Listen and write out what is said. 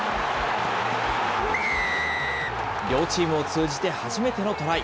両チームを通じて、初めてのトライ。